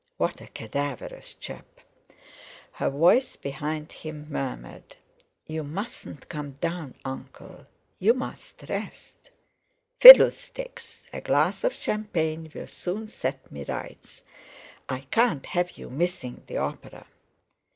What a cadaverous chap! Her voice, behind him, murmured: "You mustn't come down, Uncle; you must rest." "Fiddlesticks! A glass of champagne'll soon set me to rights. I can't have you missing the opera."